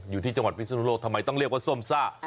อยู่ที่จังหวัดพิศนุโลกทำไมต้องเรียกว่าส้มซ่า